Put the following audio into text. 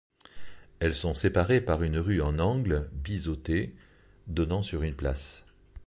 Elles sont séparées par une rue en angle biseauté donnant sur une place.